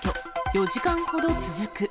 ４時間ほど続く。